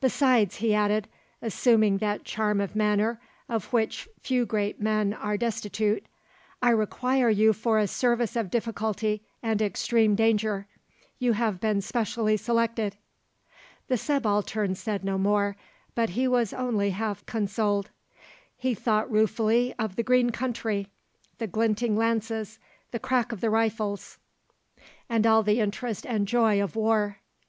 "Besides," he added, assuming that charm of manner of which few great men are destitute, "I require you for a service of difficulty and extreme danger. You have been specially selected." The Subaltern said no more, but he was only half consoled. He thought ruefully of the green country, the glinting lances, the crack of the rifles, and all the interest and joy of war.